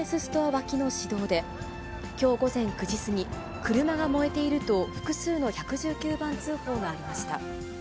脇の市道で、きょう午前９時過ぎ、車が燃えていると複数の１１９番通報がありました。